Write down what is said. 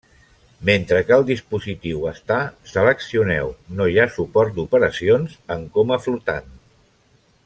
Mentre que el dispositiu està seleccioneu, no hi ha suport d'operacions en coma flotant.